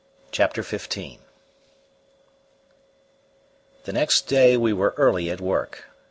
CHAPTER XV The next day we were early at work.